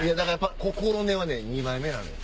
心根は二枚目なのよ。